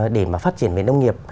để mà phát triển về nông nghiệp